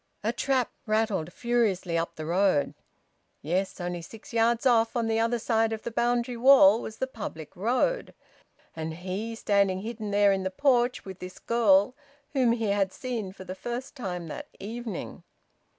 A trap rattled furiously up the road. (Yes; only six yards off, on the other side of the boundary wall, was the public road! And he standing hidden there in the porch with this girl whom he had seen for the first time that evening!)